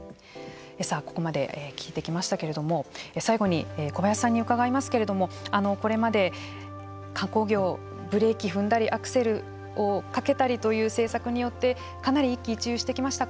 ここまで聞いてきましたけれども最後に小林さんに伺いますけれどもこれまで観光業ブレーキを踏んだりアクセルをかけたりという政策によってかなり一喜一憂してきました。